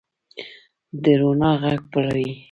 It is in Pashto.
د روڼا ږغ بلوي